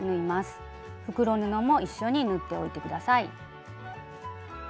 袋布も一緒に縫っておいて下さい。